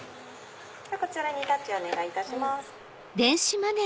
こちらにタッチお願いいたします。